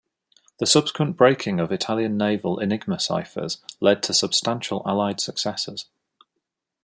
The subsequent breaking of Italian naval Enigma ciphers led to substantial Allied successes.